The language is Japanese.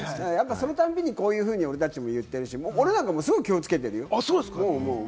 そのたびに、こういうふうに俺たちも言ってるし、俺もすごく気をつけてるよ？